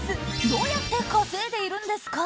どうやって稼いでいるんですか？